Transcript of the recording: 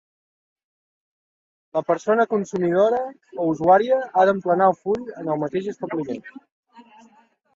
La persona consumidora o usuària ha d'emplenar el full en el mateix establiment.